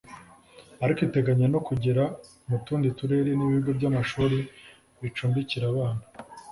ariko iteganya no kugera mu tundi turere n’ibigo by’amashuri bicumbikira abana